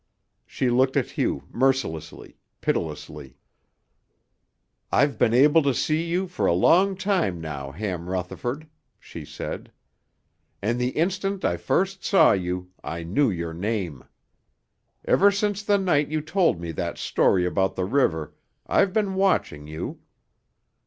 She looked at Hugh mercilessly, pitilessly. "I've been able to see you for a long time now, Ham Rutherford," she said. "And the instant I first saw you, I knew your name. Ever since the night you told me that story about the river, I've been watching you.